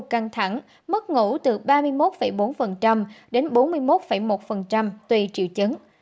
căng thẳng mất ngủ từ ba mươi một bốn đến bốn mươi một một tùy triệu chứng